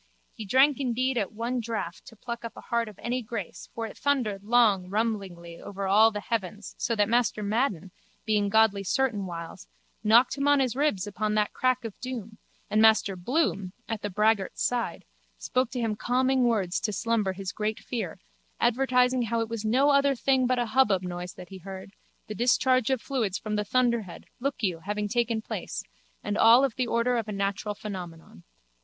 He drank indeed at one draught to pluck up a heart of any grace for it thundered long rumblingly over all the heavens so that Master Madden, being godly certain whiles, knocked him on his ribs upon that crack of doom and Master Bloom, at the braggart's side, spoke to him calming words to slumber his great fear, advertising how it was no other thing but a hubbub noise that he heard, the discharge of fluid from the thunderhead, look you, having taken place, and all of the order of a natural phenomenon.